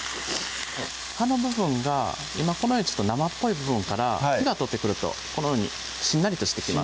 葉の部分が今このようにちょっと生っぽい部分から火が通ってくるとこのようにしんなりとしてきます